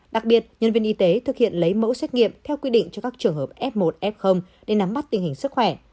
đặc biệt nhân viên y tế thực hiện lấy mẫu xét nghiệm theo quy định cho các trường hợp f một f để nắm bắt tình hình sức khỏe